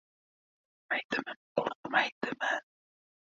— Qo‘rqmaydimi, qo‘rqmaydimi?